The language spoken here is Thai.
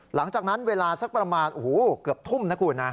หลังจากนั้นเวลาสักประมาณเกือบทุ่มนะคุณนะ